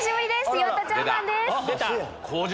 岩田チャンマンです。